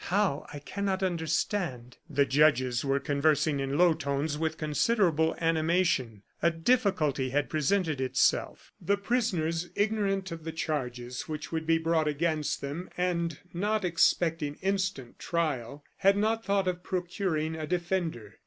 How, I cannot understand." The judges were conversing in low tones with considerable animation. A difficulty had presented itself. The prisoners, ignorant of the charges which would be brought against them, and not expecting instant trial, had not thought of procuring a defender.